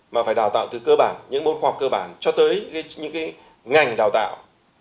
mà phải đào tạo từ cơ bản những môn khoa học cơ bản cho tới những cái ngành đào tạo